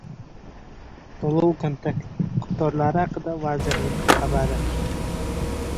To‘lov-kontrakt miqdorlari haqida vazirlik xabari